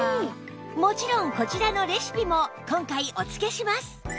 もちろんこちらのレシピも今回お付けします！